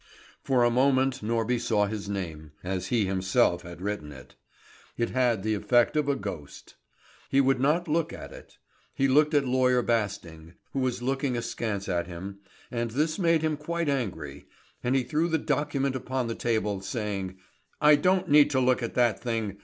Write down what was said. For a moment Norby saw his name, as he himself had written it. It had the effect of a ghost. He would not look at it. He looked at Lawyer Basting, who was looking askance at him, and this made him quite angry, and he threw the document upon the table, saying: "I don't need to look at that thing.